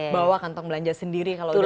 bawa kantong belanja sendiri